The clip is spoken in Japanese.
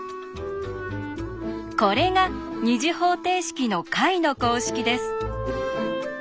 これが２次方程式の解の公式です。